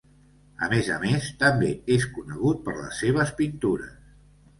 A més a més, també és conegut per les seves pintures.